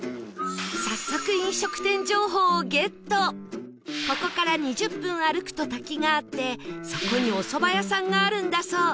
早速ここから２０分歩くと滝があってそこにお蕎麦屋さんがあるんだそう